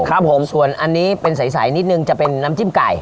ครับผมส่วนอันนี้เป็นใสนิดนึงจะเป็นน้ำจิ้มไก่